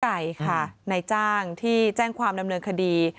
หญิงไก่ในจ้างที่แจ้งความดำเนินคดี